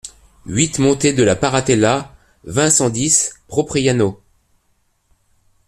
huit montée de la Paratella, vingt, cent dix, Propriano